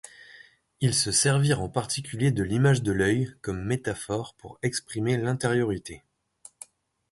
Ils se servirent en particulier de l’image de l’œil comme métaphore pour exprimer l’intériorité.